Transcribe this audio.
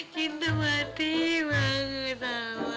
cinta mati banget selma